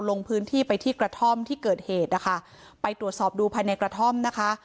ลงพื้นที่ไปที่กระท่อมที่เกิดเหตุนะคะไปตรวจสอบดูภายในกระท่อมนะคะ